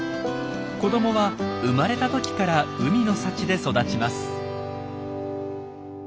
子どもは生まれた時から海の幸で育ちます。